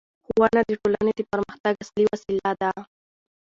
ښوونه د ټولنې د پرمختګ اصلي وسیله ده